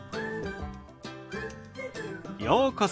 ようこそ。